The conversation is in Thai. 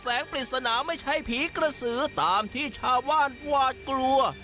ปริศนาไม่ใช่ผีกระสือตามที่ชาวบ้านหวาดกลัว